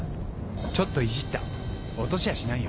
ちょっといじった落としやしないよ。